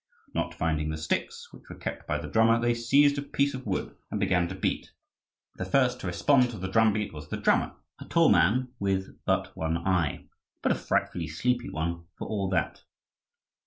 Not finding the sticks, which were kept by the drummer, they seized a piece of wood and began to beat. The first to respond to the drum beat was the drummer, a tall man with but one eye, but a frightfully sleepy one for all that.